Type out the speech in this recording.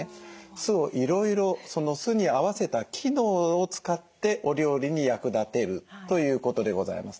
酢をいろいろその酢に合わせた機能を使ってお料理に役立てるということでございます。